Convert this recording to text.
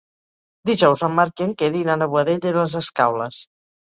Dijous en Marc i en Quer iran a Boadella i les Escaules.